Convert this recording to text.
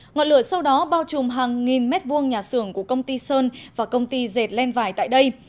ngọn lửa sau đó bao trùm hàng nghìn mét vuông nhà xưởng của công ty sơn và công ty dệt len vải tại đây